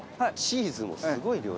チーズもすごい量。